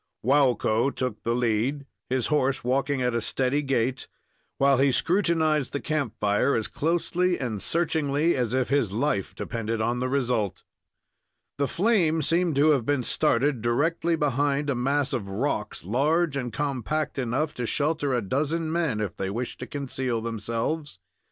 Waukko took the lead, his horse walking at a steady gait, while he scrutinized the camp fire as closely and searchingly as if his life depended on the result. The flame seemed to have been started directly behind a mass of rocks, large and compact enough to shelter a dozen men, if they wished to conceal themselves.